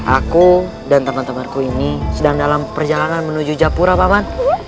aku dan teman temanku ini sedang dalam perjalanan menuju japura paman